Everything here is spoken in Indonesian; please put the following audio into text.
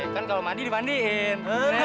kan kalau mandi dipandiin